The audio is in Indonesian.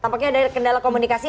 tampaknya ada kendala komunikasi